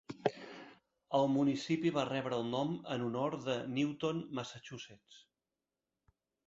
El municipi va rebre el nom en honor de Newton, Massachusetts.